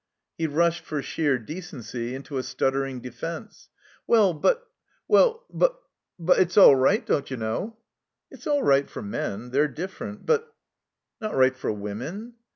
He rushed, for sheer decency, into a stuttering defense. "Well, but— well, but— but it's all right, don't you know?" "It's all right for men. They're diJQferent. But—" "Not right for women?"